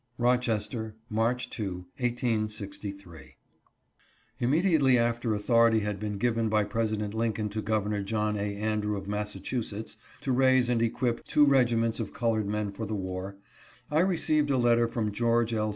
"Rochester, March 2, 1863." Immediately after authority had been given by Presi dent Lincoln to Governor John A. Andrew of Massachu setts, to raise and equip two regiments of colored men for the war, I received a letter from George L.